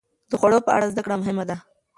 د خوړو په اړه زده کړه مهمه ده.